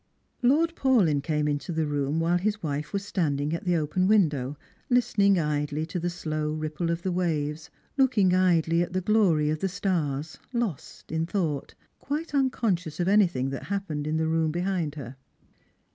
Lord Paulyn came into the room while his wife was standing at the open window, listening idly to the slow ripple of the waves, looking idly at the glory of the stars, lost in thought; quite unconscious of anything that happened in the room behind her.